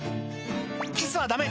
「キスはダメ！